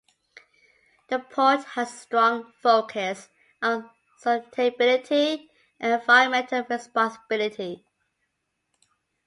The port has a strong focus on sustainability and environmental responsibility.